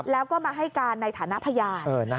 แล้วก็มาให้การในฐานะพยาน